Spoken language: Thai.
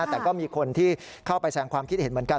แต่ก็มีคนที่เข้าไปแสงความคิดเห็นเหมือนกัน